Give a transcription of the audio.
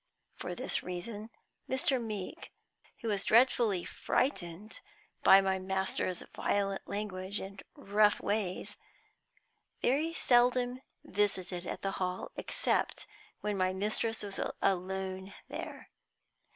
For this reason, Mr. Meeke (who was dreadfully frightened by my master's violent language and rough ways) very seldom visited at the Hall except when my mistress was alone there.